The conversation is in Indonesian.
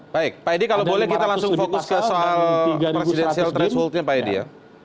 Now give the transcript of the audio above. baik pak edi kalau boleh kita langsung fokus ke soal presidensial thresholdnya pak edi ya